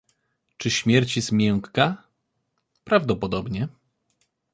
Czy śmierć jest miękka? Prawdopodobnie.